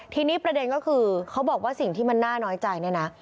ทีนี้ประเด็นก็คือเขาบอกว่าสิ่งที่มันน่าน้อยใจเนี่ยนะ